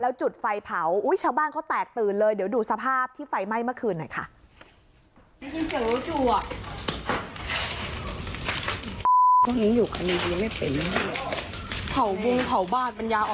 จุดไฟเผาชาวบ้านเขาแตกตื่นเลยเดี๋ยวดูสภาพที่ไฟไหม้เมื่อคืนหน่อยค่ะ